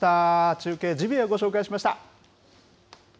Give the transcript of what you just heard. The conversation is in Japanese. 中継、ジビエご紹介しました。